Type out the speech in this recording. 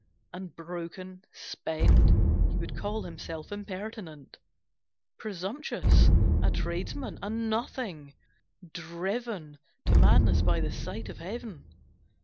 And broken, spent, He would call himself impertinent; Presumptuous; a tradesman; a nothing; driven To madness by the sight of Heaven.